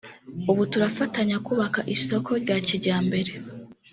ubu turafatanya kubaka isoko rya kijyambere”